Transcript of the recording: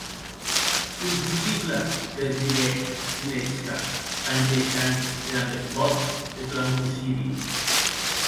Impossible!, gasulhèc Dunetchka, panteishant e damb es pòts esblancossidi.